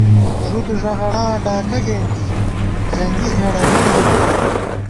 ݫُد ݫغڑاں ڈاکہ کېنٹی، جنگی اېڑہ مِنڈبِمېت